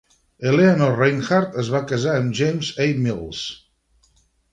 Eleanor Reinhardt es va casar amb James E. Mills.